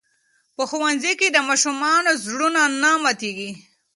په ښوونځي کې د ماشومانو زړونه نه ماتېږي.